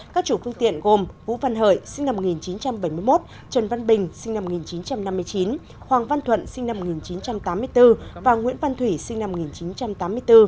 các chủ phương tiện gồm vũ văn hợi sinh năm một nghìn chín trăm bảy mươi một trần văn bình sinh năm một nghìn chín trăm năm mươi chín hoàng văn thuận sinh năm một nghìn chín trăm tám mươi bốn và nguyễn văn thủy sinh năm một nghìn chín trăm tám mươi bốn